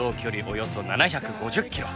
およそ７５０キロ